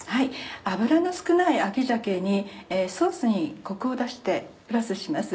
脂の少ない秋鮭にソースにコクを出してプラスします。